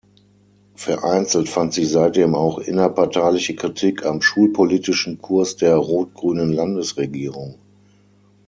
Vereinzelt fand sich seitdem auch innerparteiliche Kritik am schulpolitischen Kurs der rot-grünen Landesregierung.